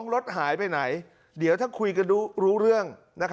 รถหายไปไหนเดี๋ยวถ้าคุยกันรู้เรื่อง